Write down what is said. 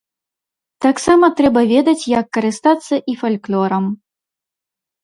Таксама трэба ведаць, як карыстацца і фальклорам.